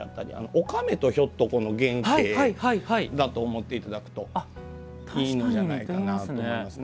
おかめとひょっとこの原型だと思っていただくといいんじゃないかなと。